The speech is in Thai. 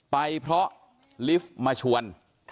ไปเพราะลิฟต์มาชวน